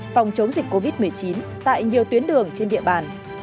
phòng chống dịch covid một mươi chín tại nhiều tuyến đường trên địa bàn